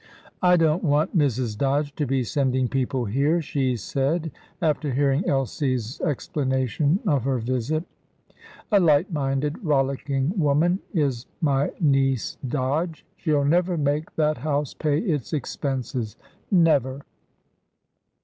"I don't want Mrs. Dodge to be sending people here," she said, after hearing Elsie's explanation of her visit. "A light minded, rollicking woman is my niece Dodge. She'll never make that house pay its expenses never!"